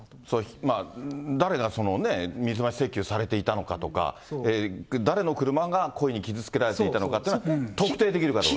誰が水増し請求されていたのかとか、誰の車が故意に傷つけられていたのかというところが特定できるかどうか。